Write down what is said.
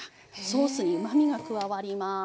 ソースにうまみが加わります。